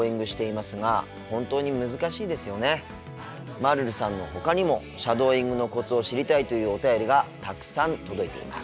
まるるさんのほかにもシャドーイングのコツを知りたいというお便りがたくさん届いています。